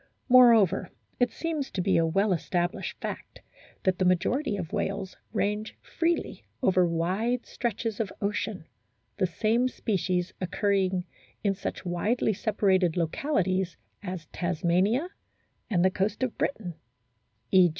Moreover, it seems to be a well established fact that the majority of whales range freely over wide stretches of ocean, the same species occurring in such widely separated localities as Tasmania and the coast of Britain (e.